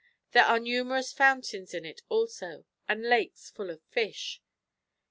There are numerous fountains in it also, and lakes full of fish.